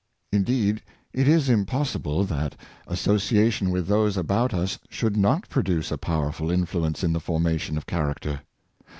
Indeed, it is impossible that association with those about us should not produce a powerful influence in the formation of character.